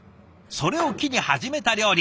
それを機に始めた料理。